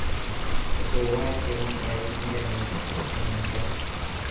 Uhuru wake mwaka wa elfu moja mia tisa sitini na tatu